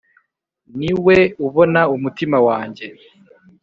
n niwe ubona umutima wanjye